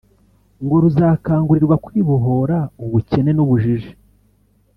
ngo ruzakangurirwa kwibohora ubukene n’ubujiji